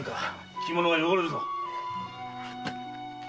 着物が汚れるぞ。